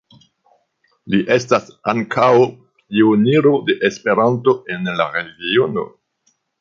Li estis ankaŭ pioniro de Esperanto en la regiono.